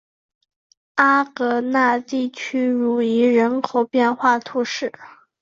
阿戈讷地区茹伊人口变化图示